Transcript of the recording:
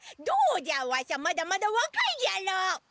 どうじゃワシャまだまだわかいじゃろ！